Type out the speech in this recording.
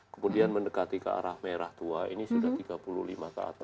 kemudian mendekati ke arah merah tua ini sudah tiga puluh lima ke atas